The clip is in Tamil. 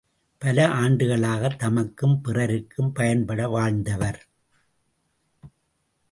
பல ஆண்டுகளாகத் தமக்கும் பிறர்க்கும் பயன்பட வாழ்ந்தவர்.